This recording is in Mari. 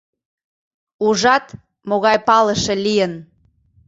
— Ужат, могай палыше лийын!